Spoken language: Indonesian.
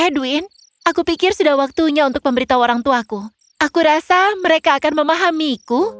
edwin aku pikir sudah waktunya untuk memberitahu orangtuaku aku rasa mereka akan memahamiku